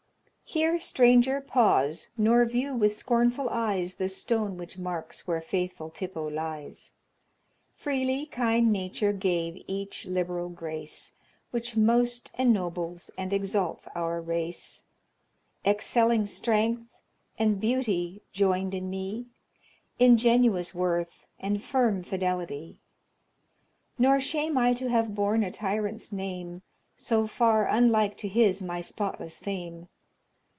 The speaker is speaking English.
_ Here, stranger, pause, nor view with scornful eyes The stone which marks where faithful Tippo lies. Freely kind Nature gave each liberal grace, Which most ennobles and exalts our race, Excelling strength and beauty joined in me, Ingenuous worth, and firm fidelity. Nor shame I to have borne a tyrant's name, So far unlike to his my spotless fame.